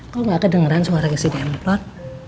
kok gak kedengeran suara kesini emplot